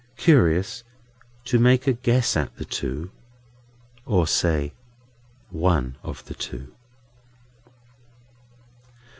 Curious, to make a guess at the two;—or say one of the two!